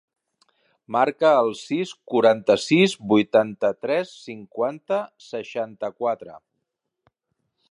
Marca el sis, quaranta-sis, vuitanta-tres, cinquanta, seixanta-quatre.